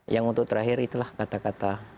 yang untuk terakhir itulah kata kata